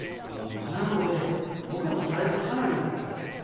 なので僕はもう最後花になりたい。